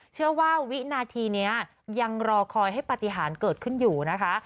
เชื่อว่าวินาทีนี้ยังรอคอยให้ปฏิหารเกิดขึ้นอยู่นะคะ